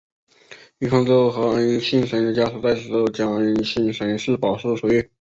于方舟和安幸生的家属在此之后将安幸生保释出狱。